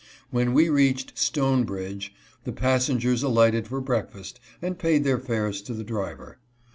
When we reached "Stone Bridge" the passengers alighted for breakfast and paid their fares to the driver.